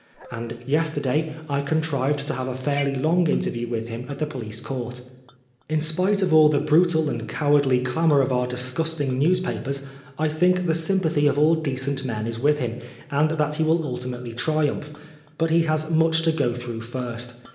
And yesterday I contrived to have a fairly long interview with him at the police court. In spite of all the brutal and cowardly clamour of our 126 Oscar Wilde disgusting newspapers, I think the sympathy of all decent men is with him, and that he will ultimately triumph, but he has much to go through first.